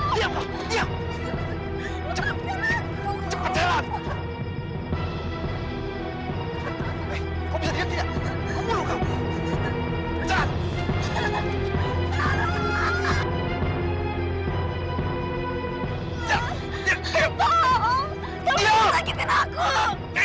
kamu bisa sakitkan aku